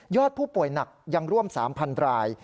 ผู้ป่วยหนักยังร่วม๓๐๐ราย